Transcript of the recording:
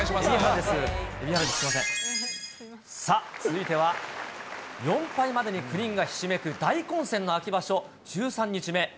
では続いては４敗までに９人がひしめく大混戦の秋場所１３日目。